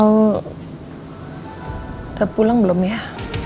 udah pulang belum ya